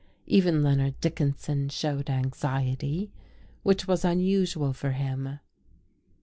Even Leonard Dickinson showed anxiety, which was unusual for him.